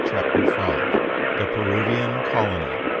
CHAPTER V. THE PERUVIAN COLONY.